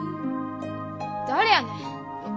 誰やねん？